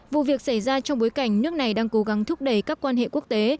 vụ việc xảy ra trong bối cảnh nước này đang cố gắng thúc đẩy các quan hệ quốc tế